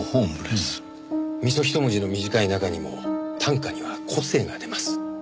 三十一文字の短い中にも短歌には個性が出ます。